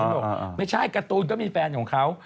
บอกไม่ใช่การ์ตูนก็มีแฟนของเขา